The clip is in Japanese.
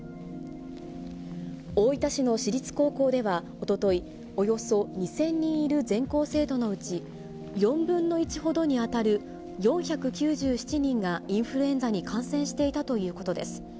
大分市の私立高校ではおととい、およそ２０００人いる全校生徒のうち、４分の１ほどに当たる４９７人がインフルエンザに感染していたということです。